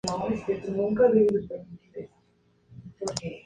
Sin embargo, la mayoría de las atribuciones a Adán son especulativas.